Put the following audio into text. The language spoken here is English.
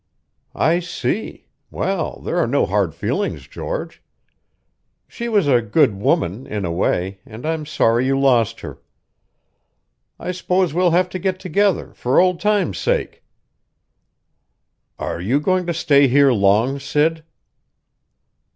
"I see. Well, there are no hard feelings, George. She was a good woman, in a way, and I'm sorry you lost her. I suppose we'll have to get together, for old time's sake." "Are you going to stay here long, Sid?"